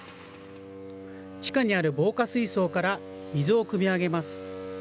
地下にある防火水槽から水をくみ上げます。